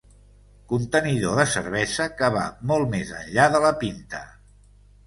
Contenidor de cervesa que va molt més enllà de la pinta.